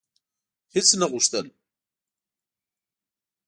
هیڅ نه غوښتل: